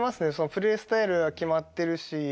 プレースタイルは決まってるし。